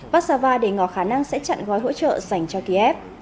vátsava đề ngọt khả năng sẽ chặn gói hỗ trợ dành cho kiev